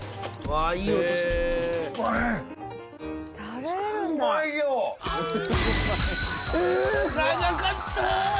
長かった！